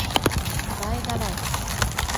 まえならえ